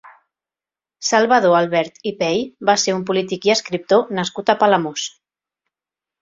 Salvador Albert i Pey va ser un polític i escriptor nascut a Palamós.